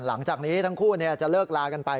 หลังจากนี้ทั้งคู่จะเลิกลากันไป